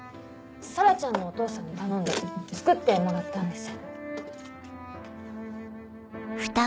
紗良ちゃんのお父さんに頼んで作ってもらったんです。